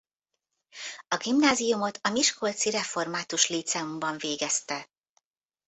A gimnáziumot a miskolci református líceumban végezte.